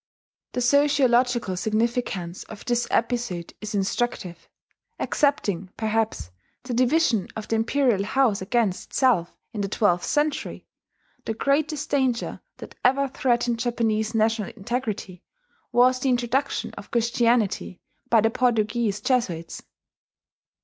The sociological significance of this episode is instructive. Excepting, perhaps, the division of the imperial house against itself in the twelfth century, the greatest danger that ever threatened Japanese national integrity was the introduction of Christianity by the Portuguese Jesuits.